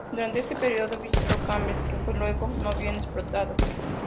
Durante este período visitó Kashmir, que fue luego no bien explorado.